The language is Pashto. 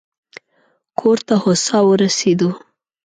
کور ته هوسا ورسېدو.